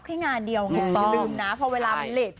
แค่งานเดียวไงเดี๋ยวลืมนะ